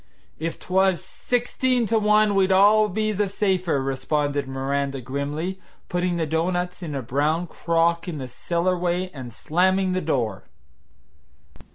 "If 't was sixteen to one we'd be all the safer," responded Miranda grimly, putting the doughnuts in a brown crock in the cellar way and slamming the door.